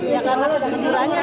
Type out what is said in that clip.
ya karena kejujurannya sih